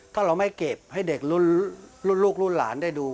ถ้าเราไม่เก็บให้เด็กรุ่นลูกรุ่นหลานได้ดู